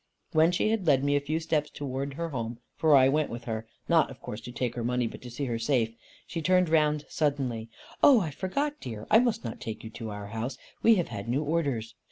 When she had led me a few steps towards her home for I went with her (not, of course, to take her money, but to see her safe), she turned round suddenly: "Oh I forgot, dear; I must not take you to our house. We have had new orders.